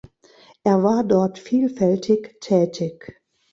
Er war dort vielfältig tätig.